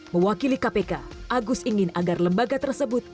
mewakili kpk agus ingin agar lembaga tersebut